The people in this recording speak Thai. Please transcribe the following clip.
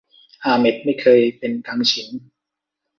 อาเหม็ดไม่เคยเป็นกังฉิน